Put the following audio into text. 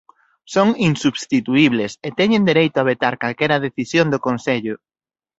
Son insubstituíbles e teñen dereito a vetar calquera decisión do Consello.